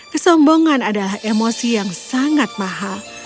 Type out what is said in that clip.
kesombongan adalah emosi yang sangat mahal